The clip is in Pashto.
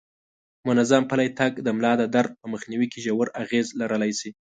منظم پلی تګ د ملا د درد په مخنیوي کې ژور اغیز لرلی شي.